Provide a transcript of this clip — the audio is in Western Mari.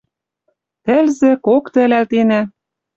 Тӹлзӹ, кокты ӹлӓлтенӓ.